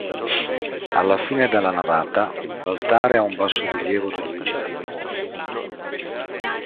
Alla fine della navata, l'altare ha un bassorilievo di Luigi Capponi.